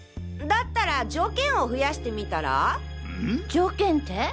条件って？